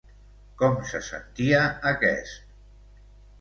Com se sentia aquest?